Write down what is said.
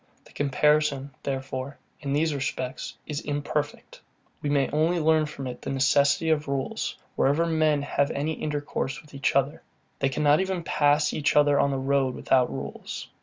The comparison, therefore, in these respects, is very imperfect. We may only learn from it the necessity of rules, wherever men have any intercourse with each other. They cannot even pass each other on the road without rules.